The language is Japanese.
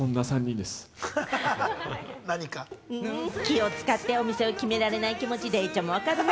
気を使って、お店を決められない気持ち、デイちゃんも分かるな。